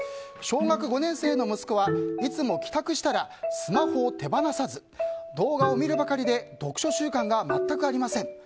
小学５年生の息子はいつも帰宅したらスマホを手放さず動画を見るばかりで読書習慣が全くありません。